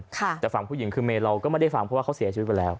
แต่ฝั่งผู้หญิงคือเมย์เราก็ไม่ได้ฟังเพราะว่าเขาเสียชีวิตไปแล้ว